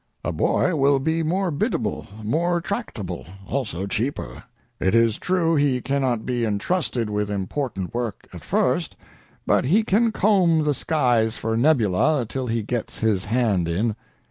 A boy will be more biddable, more tractable also cheaper. It is true he cannot be entrusted with important work at first, but he can comb the skies for nebula till he gets his hand in.